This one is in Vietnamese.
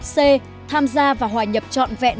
c tham gia và hòa nhập trọn vẹn